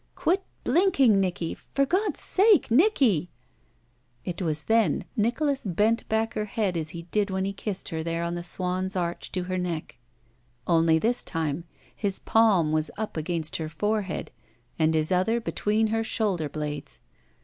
Quit blinking, Nicky — ^for God's sake — Nicky—" It was then Nicholas bent back her head as he did when he kissed her there on the swan's arch to her neck, only this time his palm was against her fore head and his other between her shoulder blades.